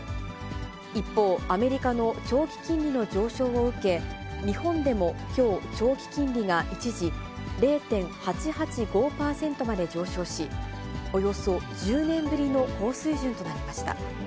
一方、アメリカの長期金利の上昇を受け、日本でもきょう、長期金利が一時、０．８８５％まで上昇し、およそ１０年ぶりの高水準となりました。